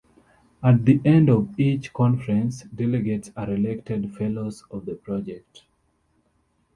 At the end of each conference, Delegates are elected Fellows of the Project.